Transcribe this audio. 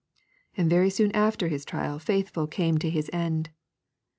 And very soon after his trial Faithful came to his end.